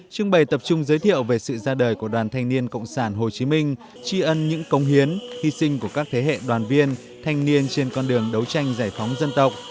trưng bày tập trung giới thiệu về sự ra đời của đoàn thanh niên cộng sản hồ chí minh tri ân những công hiến hy sinh của các thế hệ đoàn viên thanh niên trên con đường đấu tranh giải phóng dân tộc